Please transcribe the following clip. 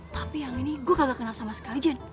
tapi yang ini gue kagak kenal sama sekali jane